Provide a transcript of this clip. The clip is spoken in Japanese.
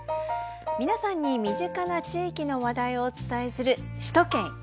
皆さんに身近な地域の話題をお伝えする「首都圏いちオシ！」。